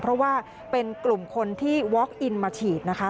เพราะว่าเป็นกลุ่มคนที่วอคอินมาฉีดนะคะ